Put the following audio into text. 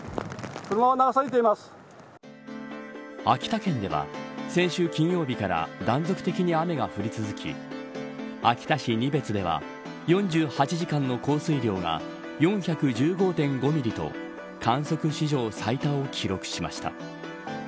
秋田県では先週金曜日から断続的に雨が降り続き秋田市仁別では４８時間の降水量が４１５．５ミリと観測史上最多を記録しました。